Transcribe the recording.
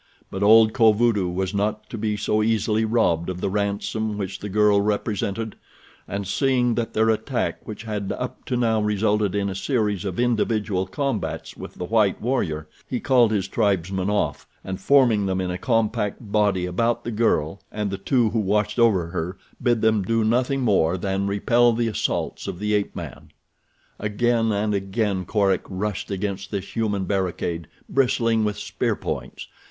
But old Kovudoo was not to be so easily robbed of the ransom which the girl represented, and seeing that their attack which had up to now resulted in a series of individual combats with the white warrior, he called his tribesmen off, and forming them in a compact body about the girl and the two who watched over her bid them do nothing more than repel the assaults of the ape man. Again and again Korak rushed against this human barricade bristling with spear points.